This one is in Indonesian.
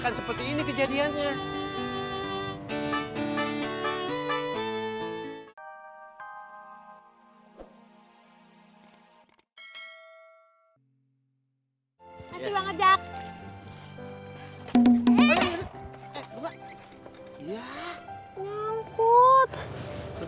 kan seperti ini kejadiannya bagian ngejak shoot in oh iya nyengstop ke sepuluh jeruk